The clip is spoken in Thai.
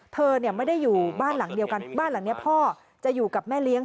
เธอไม่ได้อยู่บ้านหลังเดียวกันบ้านหลังนี้พ่อจะอยู่กับแม่เลี้ยง